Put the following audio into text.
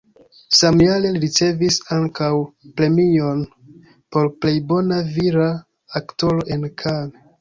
Samjare li ricevis ankaŭ premion por plej bona vira aktoro en Cannes.